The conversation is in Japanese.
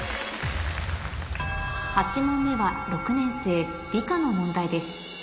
８問目は６年生理科の問題です